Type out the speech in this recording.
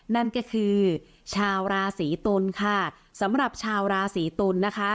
นั่นก็คือชาวราศีตุลค่ะสำหรับชาวราศีตุลนะคะ